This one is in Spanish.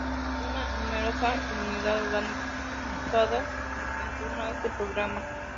Existe una numerosa comunidad organizada en torno de este programa.